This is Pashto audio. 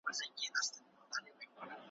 ستونی د شپېلۍ به نغمه نه لري `